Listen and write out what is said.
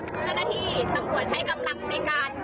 เจ้าหน้าที่ตำรวจใช้กำลังในการ